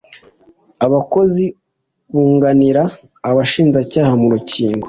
Abakozi bunganira Abashinjacyaha mu rukigo